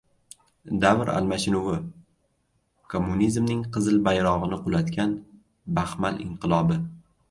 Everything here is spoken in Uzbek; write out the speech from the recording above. Davr almashinuvi. Kommunizmning qizil bayrog‘ini qulatgan “baxmal inqilobi”